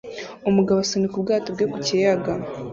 umugabo asunika ubwato bwe ku kiyaga